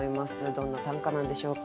どんな短歌なんでしょうか。